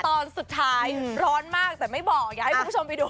ตอนสุดท้ายร้อนมากแต่ไม่บอกอยากให้คุณผู้ชมไปดู